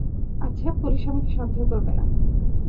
আচ্ছা, পুলিশ আমাকে সন্দেহ করবে না।